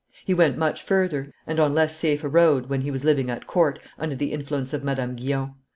He went much further, and on less safe a road, when he was living at court, under the influence of Madame Guyon.